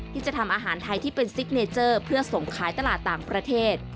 ที่จะทำอาหารไทยที่เป็นซิกเนเจอร์เพื่อส่งขายตลาดต่างประเทศ